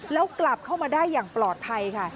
แล้วกลับเข้ามาได้อย่างปลอดภัยค่ะ